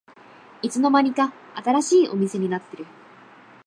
いつの間にか新しいお店になってる